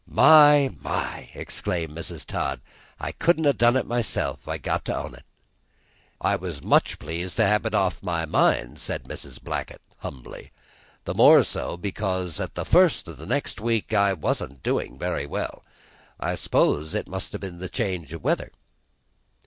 "My, my!" exclaimed Mrs. Todd. "I couldn't ha' done it myself, I've got to own it." "I was much pleased to have it off my mind," said Mrs. Blackett, humbly; "the more so because along at the first of the next week I wasn't very well. I suppose it may have been the change of weather."